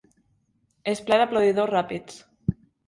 És ple d'aplaudidors ràpids.